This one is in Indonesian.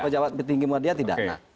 pejabat tinggi media tidak